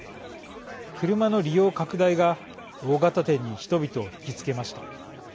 車の利用拡大が大型店に人々を引きつけました。